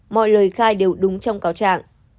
mọi lời khai đều đúng trong cao trạng